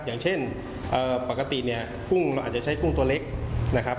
อย่างเช่นปกติเนี่ยกุ้งเราอาจจะใช้กุ้งตัวเล็กนะครับ